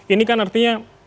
ini kan artinya